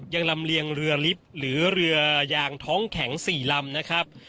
ลำเลียงเรือลิฟต์หรือเรือยางท้องแข็ง๔ลำนะครับ